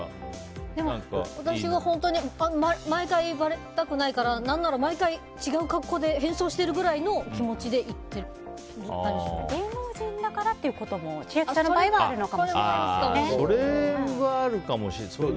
でも私、本当に毎回ばれたくないから、何なら毎回違う格好で変装してるくらいの気持ちで芸能人だからってことも千秋さんの場合はあるのかもしれないですね。